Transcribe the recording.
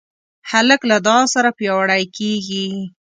هلک له دعا سره پیاوړی کېږي.